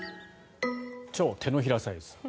超手のひらサイズ。